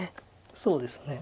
そうですね。